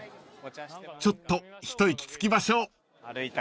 ［ちょっと一息つきましょう］